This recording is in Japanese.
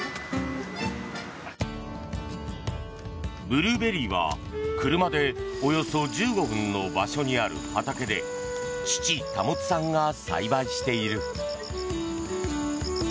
ブルーベリーは車でおよそ１５分の場所にある畑で父・保さんが栽培している。